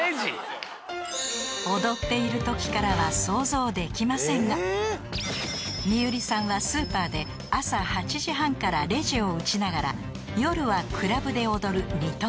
［踊っているときからは想像できませんがＭＩＹＵＲＩさんはスーパーで朝８時半からレジを打ちながら夜はクラブで踊る二刀流］